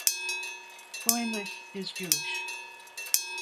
Freundlich is Jewish.